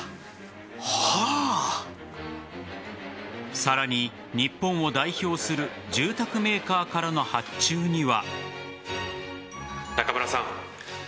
さらに、日本を代表する住宅メーカーからの発注には。